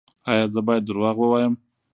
ایا زه باید دروغ ووایم؟